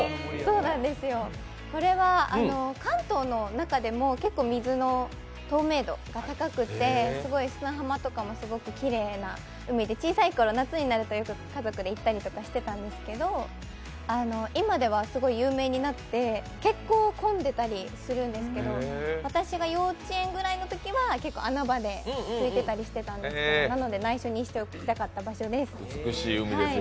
これは関東の中でも結構水の透明度が高くて、すごい砂浜とかもきれいな海で、小さいころ夏になると、よく家族で行ってたりしたんですけど今ではすごい有名になって結構混んでたりするんですけど私が幼稚園ぐらいのときは結構、穴場ですいてたりしてたんですけど、なので、内緒にしておきたかった場所です。